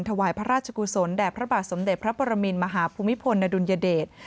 ถวายพระราชกุศลแด่พระบาทสมเด็จพระปรมินมหาภูมิพลอดุลยเดช